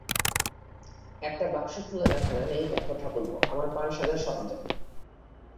একটা বাক্স খুলে দেখালেন, এই দেখো ঠাকুরপো, আমার পান-সাজার সরঞ্জাম।